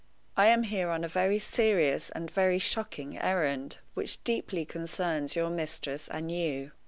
I am here on a very serious and a very shocking errand, which deeply concerns your mistress and you."